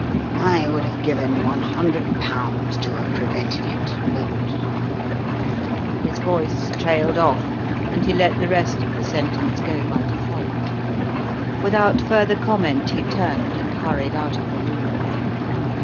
"I would have given one hundred pounds to have prevented it, but " His voice trailed off and he let the rest of the sentence go by default. Without further comment he turned and hurried out of the room.